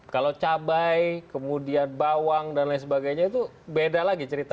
kalau cabai kemudian bawang dan lain sebagainya itu beda lagi cerita